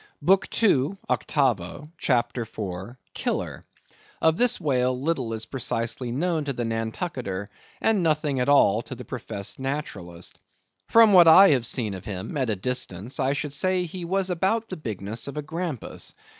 BOOK II. (Octavo), CHAPTER IV. (Killer).—Of this whale little is precisely known to the Nantucketer, and nothing at all to the professed naturalist. From what I have seen of him at a distance, I should say that he was about the bigness of a grampus.